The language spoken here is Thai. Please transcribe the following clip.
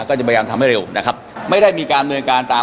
ก็จะพยายามทำให้เร็วนะครับไม่ได้มีการดำเนินการตาม